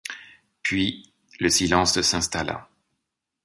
Puis, le silence s'installa.